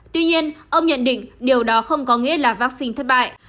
tuy nhiên ông nhận định điều đó không có nghĩa là vaccine thất bại